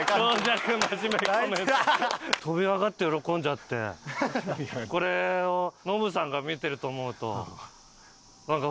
飛び上がって喜んじゃってこれをノブさんが見てると思うとなんか。